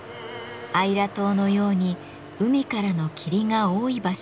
アイラ島のように海からの霧が多い場所を選びました。